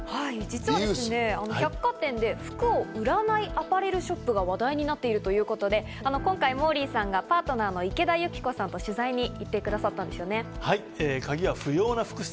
実は百貨店で服を売らないアパレルショップが話題になっているということで、今回、モーリーさんがパートナーの池田有希子さんと取材に行ってくださったんですよね。